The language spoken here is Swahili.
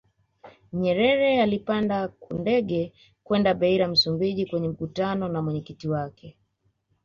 Nyerer alipanda ndege kwenda Beira Msumbiji kwenye mkutano na mwenyeji wake